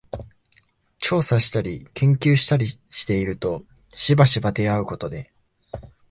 調査したり研究したりしているとしばしば出合うことで、